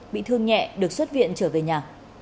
bị thương nhẹ được xuất viện trở về nhà